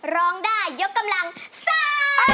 ร้องได้ยกกำลังซ่า